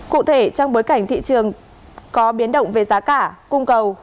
cụ thể trong bối cảnh thị trường có biến động về giá cả cung cầu